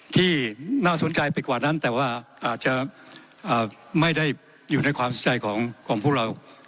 ที่น่าสนใจไปกว่านั้นแต่ว่าอาจจะไม่ได้อยู่ในความสนใจของพวกเรา